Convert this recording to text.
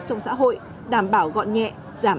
trong xã hội đảm bảo gọn nhẹ giảm